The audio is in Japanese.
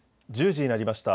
１０時になりました。